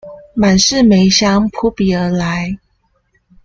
滿室梅香撲鼻而來